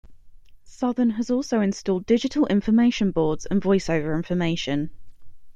Southern has also installed digital information boards and voiceover information.